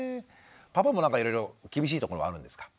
パパもなんかいろいろ厳しいところはあるんですか？